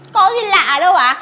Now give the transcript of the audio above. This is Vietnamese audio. không có gì lạ đâu à